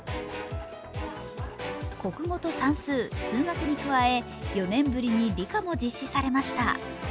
国語と算数・数学に加え４年ぶりに理科も実施されました。